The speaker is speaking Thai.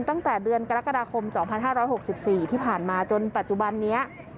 ตั้งแต่เดือนกรกฎาคมสองพันห้าร้อยหกสิบสี่ที่ผ่านมาจนปัจจุบันนี้